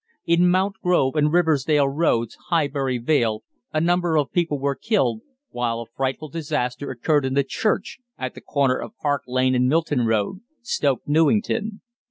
In Mountgrove and Riversdale Roads, Highbury Vale, a number of people were killed, while a frightful disaster occurred in the church at the corner of Park Lane and Milton Road, Stoke Newington.